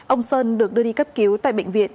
ông sơn được đưa đi cấp cứu tại bệnh viện